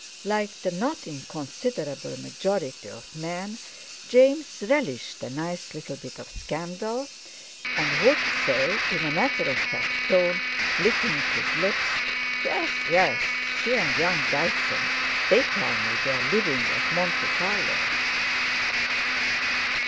Like the not inconsiderable majority of men, James relished a nice little bit of scandal, and would say, in a matter of fact tone, licking his lips, "Yes, yes—she and young Dyson; they tell me they're living at Monte Carlo!"